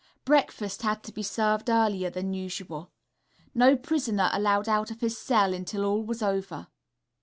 Breakfast had to be served earlier than usual. No prisoner allowed out of his cell until all was over.